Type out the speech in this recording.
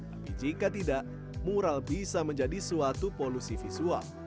tapi jika tidak mural bisa menjadi suatu polusi visual